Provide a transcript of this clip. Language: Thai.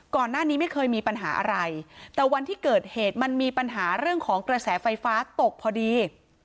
ก่อนหน้านี้ไม่เคยมีปัญหาอะไรแต่วันที่เกิดเหตุมันมีปัญหาเรื่องของกระแสไฟฟ้าตกพอดี